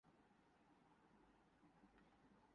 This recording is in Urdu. ان حالات میں کوئی تبدیلی آنی ہے۔